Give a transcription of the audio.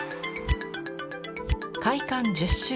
開館１０周年。